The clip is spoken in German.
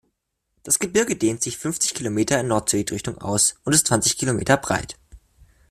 Das Gebirge dehnt sich fünfzig Kilometer in Nord-Süd-Richtung aus und ist zwanzig Kilometer breit.